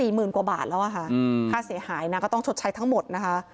หมื่นกว่าบาทแล้วค่ะค่าเสียหายนะก็ต้องชดใช้ทั้งหมดนะคะ